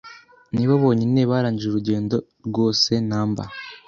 ni bo bonyine barangije urugendo rwosenumber